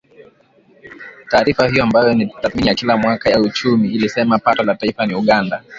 taarifa hiyo ambayo ni tathmini ya kila mwaka ya uchumi ilisema pato la taifa la Uganda